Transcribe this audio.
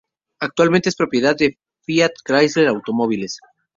Actualmente es propiedad de Fiat Chrysler Automobiles.